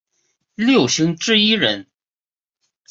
六星之一人。